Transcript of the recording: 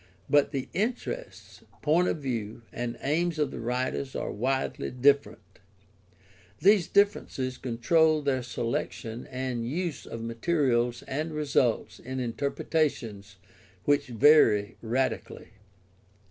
But the interests, point of view, and aims of the writers are widely different. These differences control their selection and use of materials and result in interpretations which vary radically.